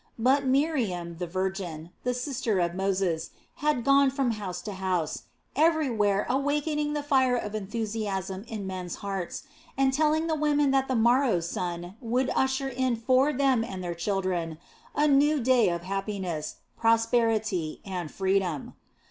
But Miriam, the virgin, the sister of Moses, had gone from house to house, everywhere awakening the fire of enthusiasm in men's hearts, and telling the women that the morrow's sun would usher in for them and their children a new day of happiness, prosperity, and freedom.